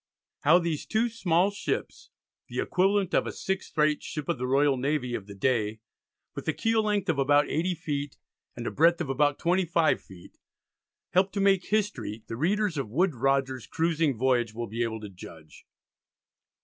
How these two small ships (the equivalent of a 6th rate ship of the Royal Navy of the day, with a keel length of about 80 ft. and a breadth of about 25 ft.) helped to make history, the readers of Woodes Rogers's "Cruising Voyage" will be able to judge.